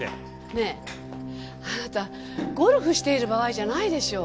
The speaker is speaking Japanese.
ねえあなたゴルフしている場合じゃないでしょ。